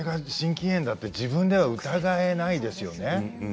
それが心筋炎と自分では疑えないですよね